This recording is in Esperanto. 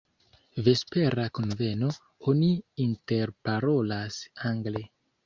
Vespera kunveno, oni interparolas angle.